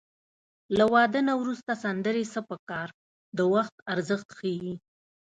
له واده نه وروسته سندرې څه په کار د وخت ارزښت ښيي